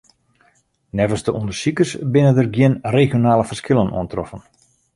Neffens de ûndersikers binne der gjin regionale ferskillen oantroffen.